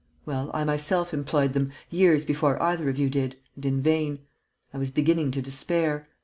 Well, I myself employed them, years before either of you did, and in vain. I was beginning to despair.